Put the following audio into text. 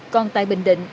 còn tại bình định